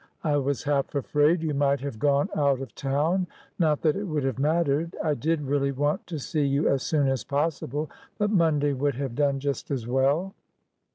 I was half afraid you might have gone out of townnot that it would have mattered. I did really want to see you as soon as possible, but Monday would have done just as well."